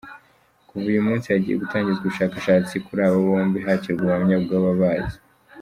Kuva uyu munsi hagiye gutangizwa ubushakashatsi kuri aba bombi, hakirwa ubuhamya bw'ababazi.